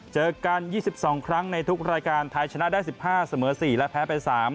เจอกัน๒๒ครั้งในทุกรายการไทยชนะได้๑๕เสมอ๔และแพ้ไป๓